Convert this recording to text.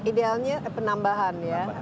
idealnya penambahan ya